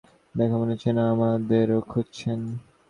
দেখে মনে হচ্ছে না ও আমাদের খুঁজছে।